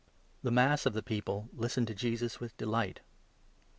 31 The mass of the people listened to Jesus with a^aTnJt the delight.